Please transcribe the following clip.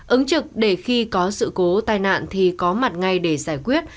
ứng trực để khi có sự cố tai nạn thì có mặt ngay để giải quyết